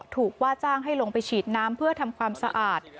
ถูกว่าจ้างให้ลงไปฉีดน้ำเพื่อทำความสะอาด